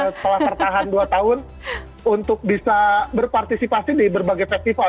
setelah tertahan dua tahun untuk bisa berpartisipasi di berbagai festival